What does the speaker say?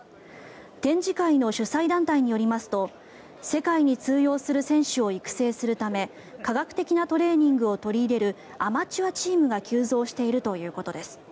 展示会の主催団体によりますと世界に通用する選手を育成するため科学的なトレーニングを取り入れるアマチュアチームが急増しているということです。